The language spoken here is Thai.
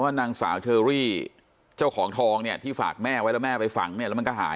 คุณแม่ขูดอยู่คนเดียวแต่ว่าไม่ได้มองอันไหนค่ะ